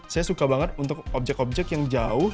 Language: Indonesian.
saya suka banget untuk objek objek yang jauh